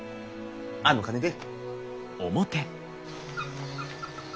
あの金で。